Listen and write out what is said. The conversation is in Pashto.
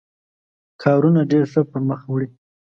کارونه ډېر ښه پر مخ وړي.